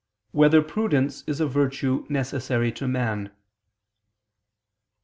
5] Whether Prudence Is a Virtue Necessary to Man?